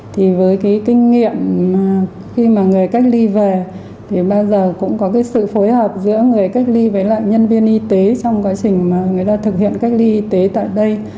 thì với cái kinh nghiệm khi mà người cách ly về thì bao giờ cũng có cái sự phối hợp giữa người cách ly với lại nhân viên y tế trong quá trình mà người ta thực hiện cách ly y tế tại đây